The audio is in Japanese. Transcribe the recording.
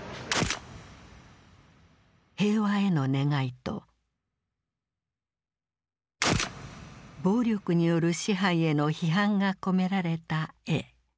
平和への願いと暴力による支配への批判が込められた絵。